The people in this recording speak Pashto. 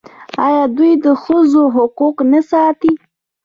آیا دوی د ښځو حقوق نه ساتي؟